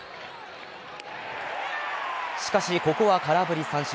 しかし、ここは空振り三振。